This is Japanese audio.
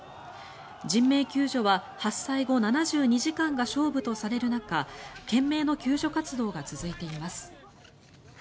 人命救助は発災後７２時間が勝負とされる中懸命の救助活動が続いています。